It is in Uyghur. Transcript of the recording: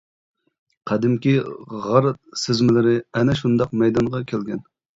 قەدىمكى غار سىزمىلىرى ئەنە شۇنداق مەيدانغا كەلگەن.